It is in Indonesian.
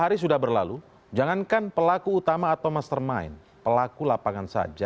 dua ratus dua hari sudah berlalu jangankan pelaku utama atau mastermind pelaku lapangan saja belum terungkap